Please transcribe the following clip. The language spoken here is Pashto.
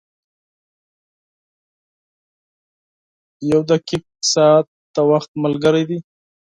• یو دقیق ساعت د وخت ملګری دی.